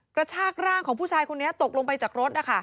กระชากร่างของผู้ชายคนนี้ตกลงไปจากรถ